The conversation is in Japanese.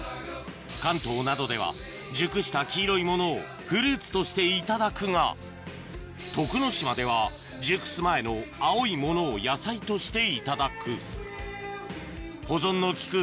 関東などでは熟した黄色いものをフルーツとしていただくが徳之島では熟す前の青いものを野菜としていただく保存のきく